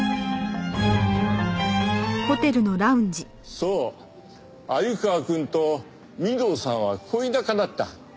そう鮎川くんと御堂さんは恋仲だった。